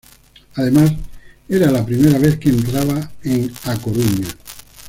Además, era la primera vez que entraba en A Coruña.